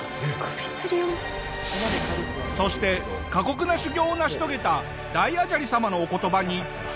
そして過酷な修行を成し遂げた大阿闍梨さまのお言葉に。